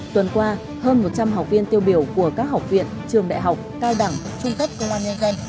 tuần qua hơn một trăm linh học viên tiêu biểu của các học viện trường đại học cao đẳng trung cấp công an nhân dân